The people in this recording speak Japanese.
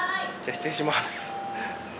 失礼します。